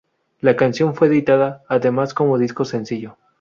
La canción fue editada además como disco sencillo.